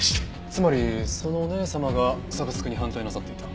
つまりそのお姉様がサブスクに反対なさっていた？